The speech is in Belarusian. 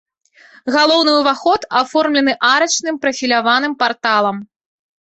Галоўны ўваход аформлены арачным прафіляваным парталам.